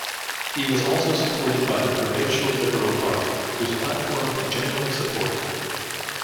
He was also supported by the provincial Liberal Party, whose platform he generally supported.